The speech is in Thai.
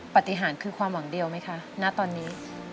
ปฏิหารคือความหวังเดียวไหมคะณตอนนี้